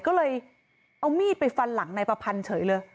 ก็เลยเอามีดไปฟันหลังนายประพันธ์เฉยเลย